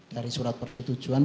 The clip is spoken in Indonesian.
dari surat persetujuan